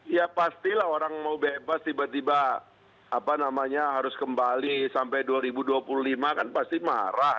ya pastilah orang mau bebas tiba tiba harus kembali sampai dua ribu dua puluh lima kan pasti marah